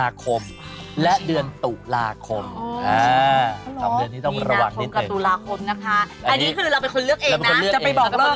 อันนี้คือเราเป็นคนเลือกเองนะจะไปบอกเลิก